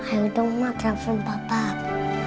ayo dong ma ke conference bapak